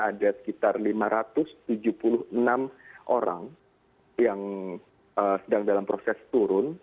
ada sekitar lima ratus tujuh puluh enam orang yang sedang dalam proses turun